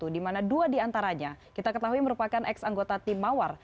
di mana dua diantaranya kita ketahui merupakan ex anggota tim mawar